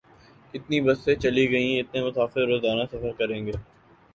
اتنی بسیں چلیں گی، اتنے مسافر روزانہ سفر کریں گے۔